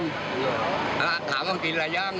แล้วหลายห้าวงออกกินอะไรยัง